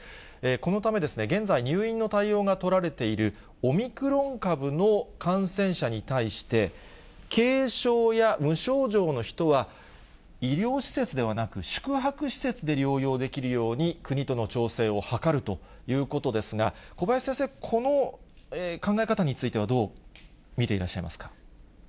このため、現在、入院の対応が取られている、オミクロン株の感染者に対して、軽症や無症状の人は、医療施設ではなく、宿泊施設で療養できるように、国との調整を図るということですが、小林先生、この考え方についてはどう見ていらっしゃいますか？